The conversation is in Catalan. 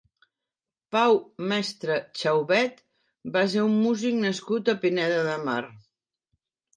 Pau Mestre Xaubet va ser un músic nascut a Pineda de Mar.